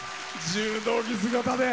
柔道着姿で。